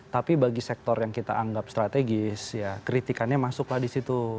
tapi bagi sektor yang kita anggap strategis ya kritikannya masuklah di situ